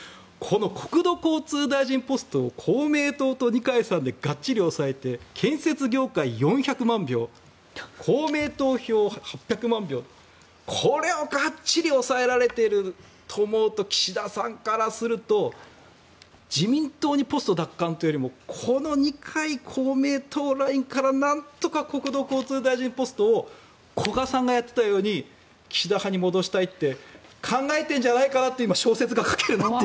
国土交通大臣ポストを公明党と二階さんでがっちり押さえて建設業界４００万票公明党票８００万票これをがっちり抑えられていると思うと岸田さんからすると自民党にポスト奪還というよりもこの二階・公明党ラインからなんとか国土交通大臣ポストを古賀さんがやっていたように岸田派に戻したいって考えてんじゃないかなって小説が書けるなって。